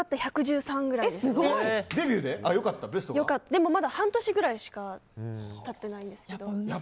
でも、まだ半年ぐらいしか経ってないんですけど。